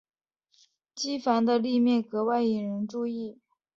机房的立面值得格外注意。